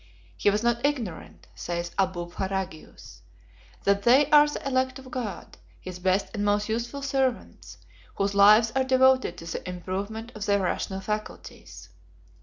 "He was not ignorant," says Abulpharagius, "that they are the elect of God, his best and most useful servants, whose lives are devoted to the improvement of their rational faculties.